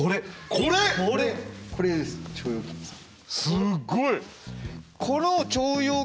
すっごい！